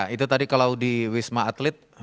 itu tadi kalau di wisma atlet